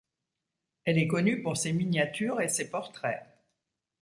Elle est connue pour ses miniatures et ses portraits.